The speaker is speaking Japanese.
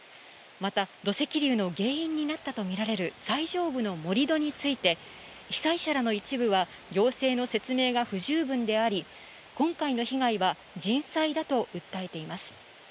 また、土石流の原因になったと見られる最上部の盛り土について、被災者らの一部は、行政の説明が不十分であり、今回の被害は人災だと訴えています。